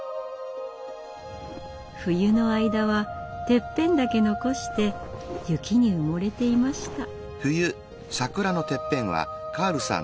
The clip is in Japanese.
冬の間はてっぺんだけ残して雪に埋もれていました。